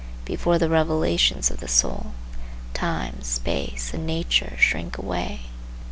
Before the revelations of the soul, Time, Space and Nature shrink away.